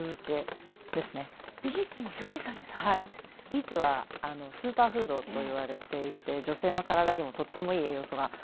ビーツはスーパーフードといわれていて女性の体にもとってもいい栄養素がたっぷりじゃないですか。